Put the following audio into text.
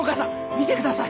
見てください。